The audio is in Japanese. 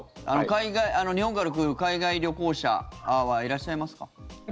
日本から来る海外旅行者はいらっしゃいますか？